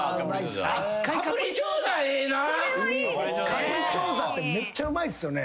カプリチョーザってめっちゃうまいっすよね。